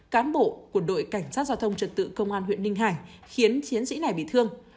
cán bộ của đội cảnh sát giao thông trật tự công an huyện ninh hải khiến chiến sĩ này bị thương